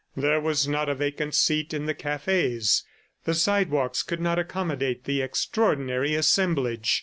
There was not a vacant seat in the cafes; the sidewalks could not accommodate the extraordinary assemblage.